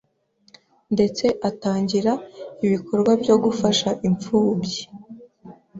ndetse atangira ibikorwa byo gufasha imfubyi